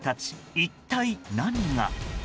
一体何が。